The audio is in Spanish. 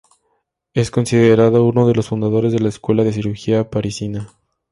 Es considerado uno de los fundadores de la escuela de cirugía parisina.